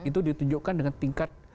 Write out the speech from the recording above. itu ditunjukkan dengan tingkat